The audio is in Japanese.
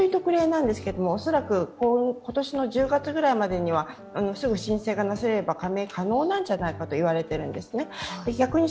恐らく今年の１０月ぐらいまでにはすぐ申請がなされれば加盟が可能なんじゃないかと思われています。